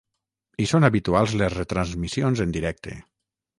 Hi són habituals les retransmissions en directe.